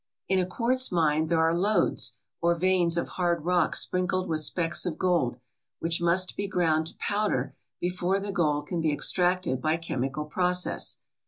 In a quartz mine there are lodes, or veins of hard rock sprinkled with specks of gold, which must be ground to powder before the gold can be ex tracted by chemical process.